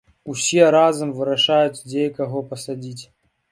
Усе разам вырашаюць дзе і каго пасадзіць.